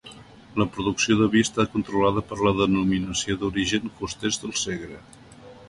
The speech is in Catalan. La producció de vi està controlada per la Denominació d'Origen Costers del Segre.